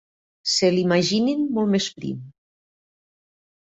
Se l'imaginin molt més prim.